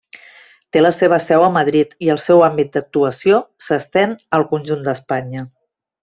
Té la seva seu a Madrid i el seu àmbit d'actuació s'estén al conjunt d'Espanya.